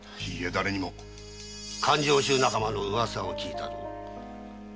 勘定衆仲間の噂を聞いたぞ。